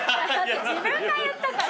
自分が言ったから。